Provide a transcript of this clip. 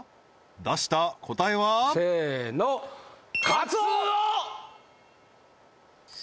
出した答えは？せーのカツオ！